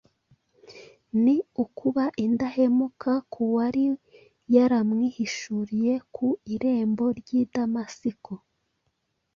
ni ukuba indahemuka ku wari yaramwihishuriye ku irembo ry’i Damasiko.